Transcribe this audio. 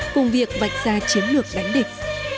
cùng việc vạch ra chiến lược đánh địch